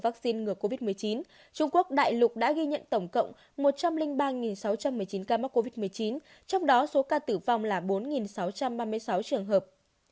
trong ngày tám tháng một trung quốc đã ghi nhận tổng cộng một trăm linh ba sáu trăm một mươi chín ca mắc covid một mươi chín trong đó số ca tử vong là bốn sáu trăm ba mươi sáu trường hợp